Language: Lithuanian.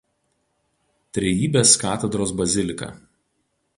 Trejybės katedros bazilika.